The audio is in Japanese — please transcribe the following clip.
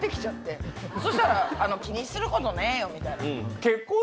そしたら「気にすることねえよ」みたいな。